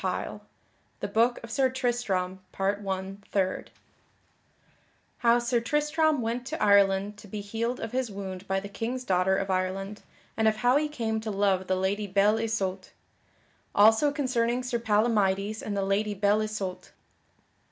[Illustration: The Lady Belle Isoult] Chapter Third _How Sir Tristram went to Ireland to be healed of his wound by the King's daughter of Ireland, and of how he came to love the Lady Belle Isoult. Also concerning Sir Palamydes and the Lady Belle Isoult.